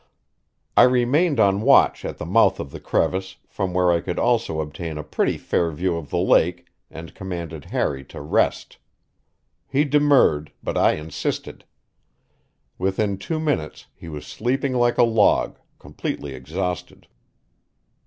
I remained on watch at the mouth of the crevice, from where I could also obtain a pretty fair view of the lake, and commanded Harry to rest. He demurred, but I insisted. Within two minutes he was sleeping like a log, completely exhausted.